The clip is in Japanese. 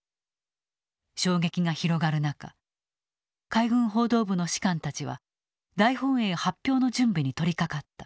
海軍報道部の士官たちは大本営発表の準備に取りかかった。